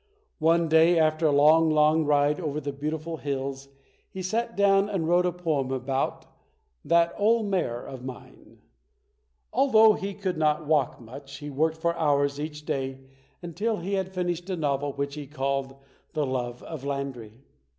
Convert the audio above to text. One day after a long, long ride over the beautiful hills he sat down and wrote a poem about "That OF Mare of Mine". Although he could not walk much, he worked for hours each day until he had finished a novel which he called "The Love of Landry".